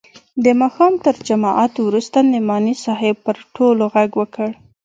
د ماښام تر جماعت وروسته نعماني صاحب پر ټولو ږغ وکړ.